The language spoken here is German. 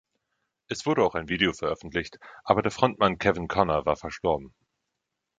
Es wurde auch ein Video veröffentlicht, aber der Frontmann Keven Conner war verstorben.